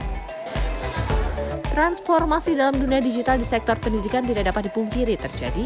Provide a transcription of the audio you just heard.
transformasi dalam dunia digital di sektor pendidikan tidak dapat dipungkiri terjadi